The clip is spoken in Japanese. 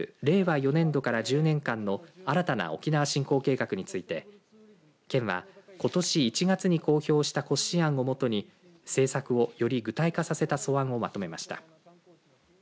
４年度から１０年間の新たな沖縄振興計画について県は、ことし１月に公表した骨子案をもとに政策をより具体化させた素案をまとめました。